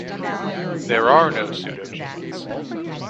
There are no pseudogenes.